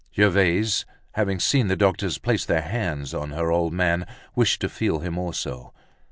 Gervaise having seen the doctors place their hands on her old man, wished to feel him also.